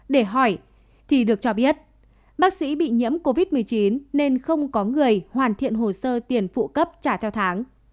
để hỏi thì được cho biết bác sĩ bị nhiễm covid một mươi chín nên không có người hoàn thiện hồ sơ tiền phụ cấp trả theo tháng